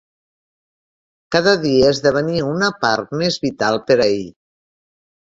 Cada dia esdevenia una part més vital per a ell.